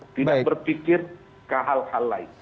tidak berpikir ke hal hal lain